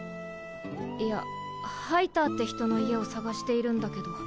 いやハイターって人の家を探しているんだけど。